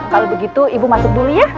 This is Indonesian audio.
kalau begitu ibu masuk dulu ya